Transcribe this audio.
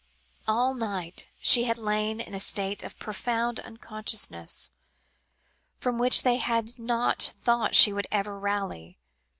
All night she had lain in a state of profound unconsciousness, from which they had not thought she would ever rally.